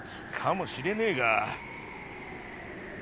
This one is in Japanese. かもしれねえが。